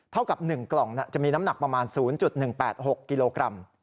เท่ากับ๑กล่องจะมีน้ำหนักประมาณ๐๑๘๖กิโลกรัม